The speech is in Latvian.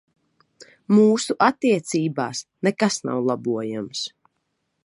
Mūsu attiecībās nekas nav labojams.